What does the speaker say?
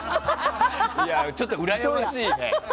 ちょっとうらやましいな。